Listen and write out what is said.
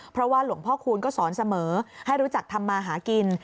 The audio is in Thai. เพราะว่าหลวงพ่อคูณก็สอนเสมอให้รู้จักทำมาหากิน